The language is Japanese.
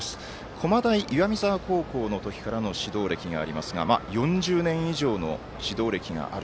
駒大岩見沢高校の時からの指導歴がありますが４０年以上の指導歴がある。